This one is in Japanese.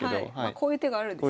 こういう手があるんですね。